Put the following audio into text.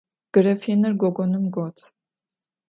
Grafinır gogonım got.